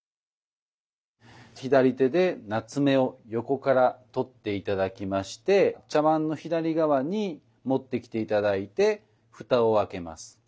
左手で棗を横から取って頂きまして茶碗の左側に持ってきて頂いて蓋を開けます。